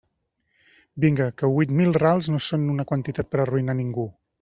Vinga, que huit mil rals no són una quantitat per a arruïnar a ningú.